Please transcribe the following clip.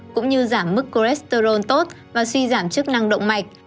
cũng như giảm mức cholesterol tốt và suy giảm chức năng động mạch